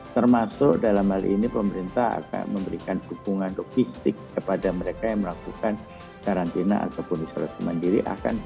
termasuk dalam hal ini pemerintah akan memberikan dukungan logistik kepada mereka yang melakukan karantina ataupun isolasi mandiri